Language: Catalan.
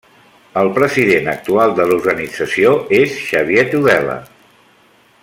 El president actual de l'organització és Xavier Tudela.